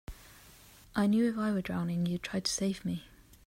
I knew if I were drowning you'd try to save me.